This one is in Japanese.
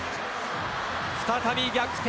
再び逆転。